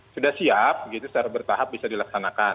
sudah siap secara bertahap bisa dilaksanakan